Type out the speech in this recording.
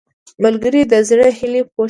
ملګری د زړه هیلې پوښي